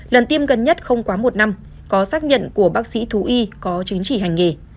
lần tiêm gần nhất không quá một năm có xác nhận của bác sĩ thú y có chứng chỉ hành nghề